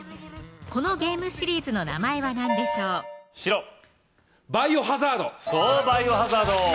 このゲームシリーズの名前は何でしょう白バイオハザードそうバイオハザード